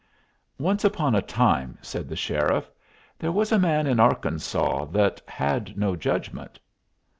"Once upon a time," said the sheriff, "there was a man in Arkansaw that had no judgment."